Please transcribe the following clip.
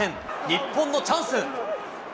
日本のチャンス。